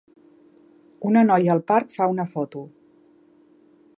Una noia al parc fa una foto.